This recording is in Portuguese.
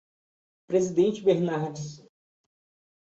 Presidente Bernardes